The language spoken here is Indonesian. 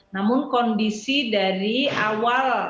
namun kondisi dari awal